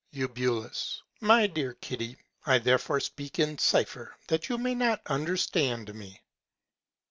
Eu. My dear Kitty, I therefore speak in Cypher that you may not understand me.